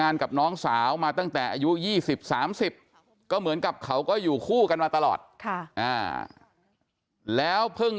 แข็งแข็งแข็งแข็งแข็งแข็งแข็งแข็งแข็งแข็งแข็งแข็ง